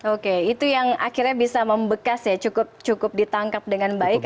oke itu yang akhirnya bisa membekas ya cukup ditangkap dengan baik